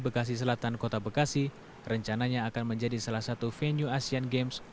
bekasi selatan kota bekasi rencananya akan menjadi salah satu venue asian games